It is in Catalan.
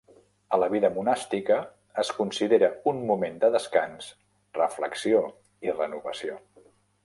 A la vida monàstica, es considera un moment de descans, reflexió i renovació.